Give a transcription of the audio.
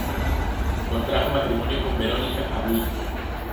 Contrajo matrimonio con Verónica Abud.